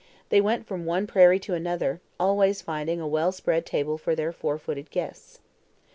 They went from one prairie to another, always finding a well spread table for their four footed guests.